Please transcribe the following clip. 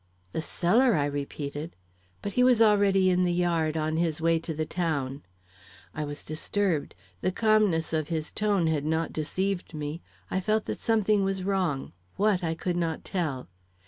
"The cellar!" I repeated. But he was already in the yard, on his way to the town. I was disturbed. The calmness of his tone had not deceived me. I felt that something was wrong; what I could not tell.